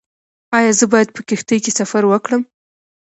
ایا زه باید په کښتۍ کې سفر وکړم؟